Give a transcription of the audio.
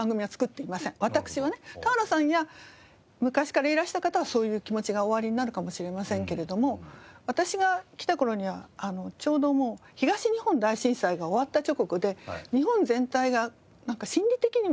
田原さんや昔からいらした方はそういう気持ちがおありになるかもしれませんけれども私が来た頃にはちょうどもう東日本大震災が終わった直後で日本全体が心理的にも弱っていた。